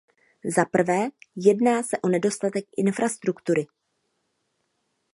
Za prvé, jedná se o nedostatek infrastruktury.